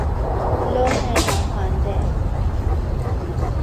لوح ناخوانده